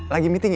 lagi meeting ya